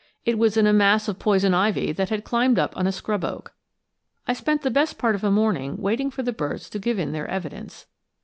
It was in a mass of poison ivy that had climbed up on a scrub oak. I spent the best part of a morning waiting for the birds to give in their evidence.